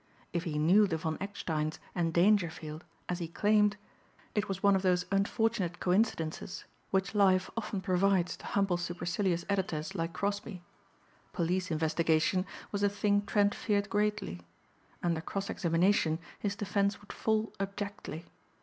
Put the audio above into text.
If he knew the Von Ecksteins and Dangerfield as he claimed, it was one of those unfortunate coincidences which life often provides to humble supercilious editors like Crosbeigh. Police investigation was a thing Trent feared greatly. Under cross examination his defense would fall abjectly.